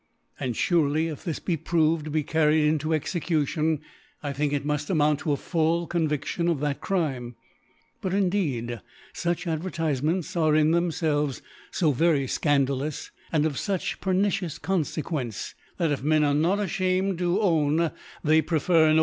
And furely if this be proved to be carried into Execution, I think it muft amount to a full ConviAion of that Crime. But, indeed, fqch Advertifements are in thcmfelves fo very fcandalous, and of fuch pernicious Confdquence, that if Men are not afliamed lo own they prefer ar^.